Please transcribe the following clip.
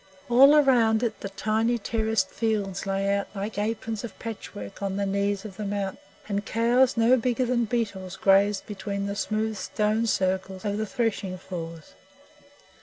All round it the tiny terraced fields lay out like aprons of patchwork on the knees of the mountain, and cows no bigger than beetles grazed between the smooth stone circles of the threshing floors.